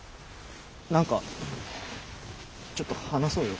何かちょっと話そうよ。